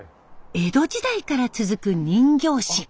江戸時代から続く人形師。